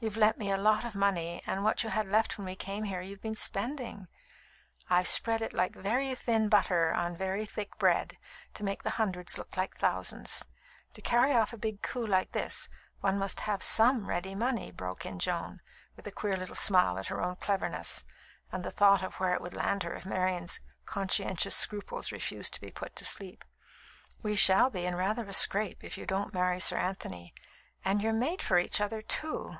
You've lent me a lot of money; and what you had left when we came here, you've been spending " "I've spread it like very thin butter on very thick bread, to make the hundreds look like thousands. To carry off a big coup like this, one must have some ready money," broke in Joan, with a queer little smile at her own cleverness, and the thought of where it would land her if Marian's "conscientious scruples" refused to be put to sleep. "We shall be in rather a scrape if you won't marry Sir Anthony and you're made for each other, too.